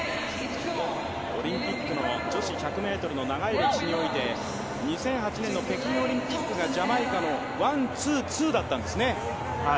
オリンピックの女子１００ｍの長い歴史において、２００８年の北京オリンピックがジャマイカのワンツーツーだったんですね。